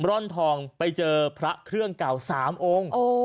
ร่อนทองไปเจอพระเครื่องเก่า๓องค์